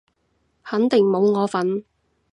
肯定冇我份